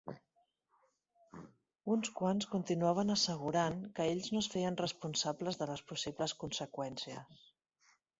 Uns quants continuaven assegurant que ells no es feien responsables de les possibles conseqüències.